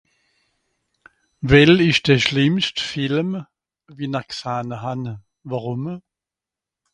well isch de schlìmmscht Film wie-n-r gsahne han? wàrum ?